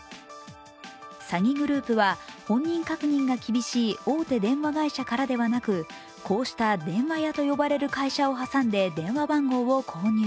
詐欺グループは、本人確認が厳しい大手電話会社からではなく、こうした電話屋と呼ばれる会社を挟んで電話番号を購入。